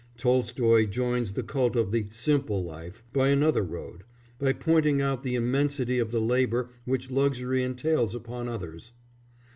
Tolstoy joins the cult of the "simple life" by another road: by pointing out the immensity of the labour which luxury entails upon others.